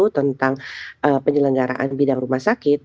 tentang penyelenggaraan bidang rumah sakit